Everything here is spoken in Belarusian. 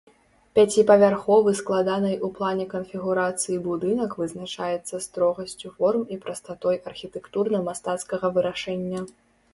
Пяціпавярховы складанай у плане канфігурацыі будынак вызначаецца строгасцю форм і прастатой архітэктурна-мастацкага вырашэння.